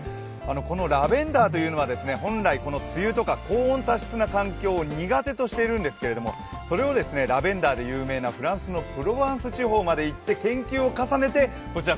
このラベンダーというのは本来、梅雨とか高温多湿な環境は苦手としているんですけれどもそれをラベンダーで有名なフランスのプロバンス地方まで行って、研究を重ねてこちら